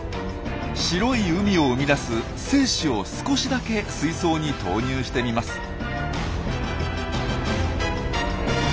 白い海を生み出す精子を少しだけ水槽に投入してみます。